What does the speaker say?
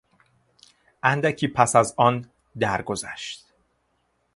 اندکی پس از آن درگذشت.